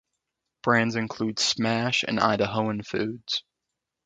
Brands include Smash and Idahoan Foods.